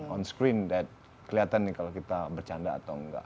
on screen kelihatan nih kalau kita bercanda atau nggak